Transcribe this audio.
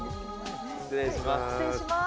失礼します。